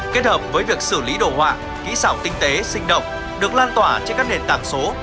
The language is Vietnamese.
kết hợp với việc xử lý đồ họa kỹ xảo tinh tế sinh động được lan tỏa trên các nền tảng số